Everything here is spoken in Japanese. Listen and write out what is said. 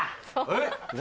えっ？